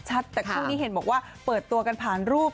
แต่คู่นี้เห็นบอกว่าเปิดตัวกันผ่านรูป